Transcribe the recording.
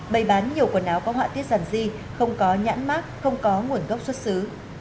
bày bán nhiều quần áo có họa tiết rằn di không có nhãn mát không có nguồn gốc xuất xứ